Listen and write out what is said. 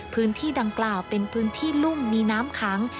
พื้นที่ดังกล่าวเป็นพื้นที่รุ่มมีน้ำขัง